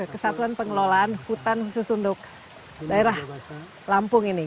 kesatuan pengelolaan hutan khusus untuk daerah lampung ini